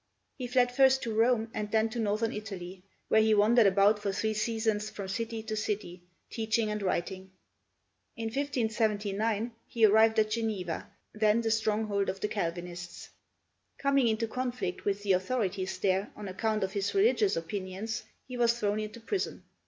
He fled first to Rome and then to Northern Italy, where he wandered about for three seasons from city to city, teaching and writing. In 1579 he arrived at Geneva, then the stronghold of the Calvinists. Coming into conflict with the authorities there on account of his religious opinions, he was thrown into prison.